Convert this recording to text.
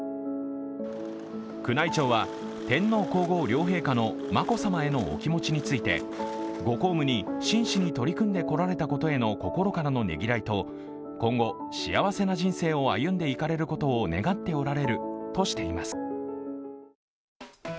宮内庁は、天皇皇后両陛下の眞子さまへのお気持ちについてご公務に真摯に取り組んでこられたことへの心からのねぎらいと今後、幸せな人生を歩んでいかれることを願っておられるとしています。